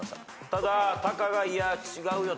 ただタカがいや違うよと。